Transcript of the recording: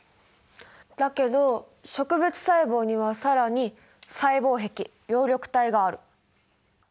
だけど植物細胞には更に細胞壁葉緑体がある。